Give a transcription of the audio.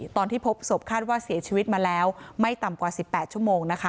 ตอนที่พบศพคาดว่าเสียชีวิตมาแล้วไม่ต่ำกว่า๑๘ชั่วโมงนะคะ